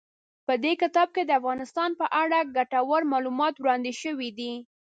په دې کتاب کې د افغانستان په اړه ګټور معلومات وړاندې شوي دي.